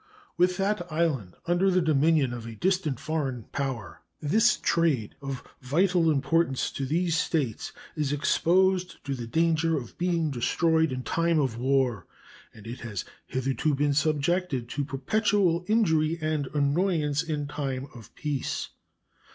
With that island under the dominion of a distant foreign power this trade, of vital importance to these States, is exposed to the danger of being destroyed in time of war, and it has hitherto been subjected to perpetual injury and annoyance in time of peace.